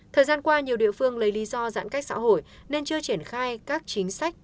thời gian qua nhiều địa phương lấy lý do giãn cách xã hội nên chưa triển khai các chính sách